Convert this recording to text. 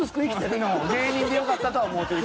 芸人でよかったとは思うてる。